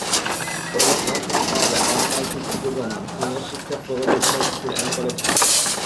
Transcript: পরবর্তী অংশ ছাপা হবে আগামীকালসিদ্দিকুর রহমান, সিনিয়র শিক্ষকপ্রগতি model school and college, Dhaka.